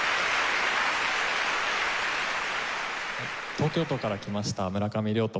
東京都から来ました村上亮と申します。